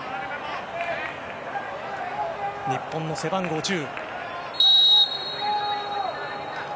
日本の背番号１０。